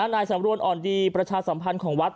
นายสำรวนอ่อนดีประชาสัมพันธ์ของวัด